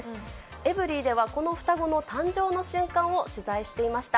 エブリィではこの双子の誕生の瞬間を取材していました。